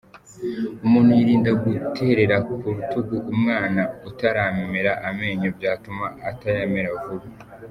Umuntu yirinda guterera ku rutugu umwana utaramera amenyo, byatuma atayamera vuba.